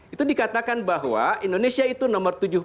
itu dikatakan bahwa indonesia itu nomor tujuh puluh